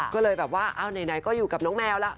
ก็เลยแบบว่าเอาไหนก็อยู่กับน้องแมวแล้ว